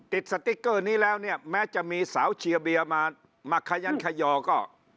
สติ๊กเกอร์นี้แล้วเนี่ยแม้จะมีสาวเชียร์เบียร์มาขยันขยอก็